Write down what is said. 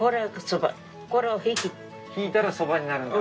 挽いたらそばになるんだ。